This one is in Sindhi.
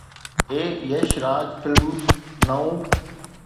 اي يش راج فلمز نئون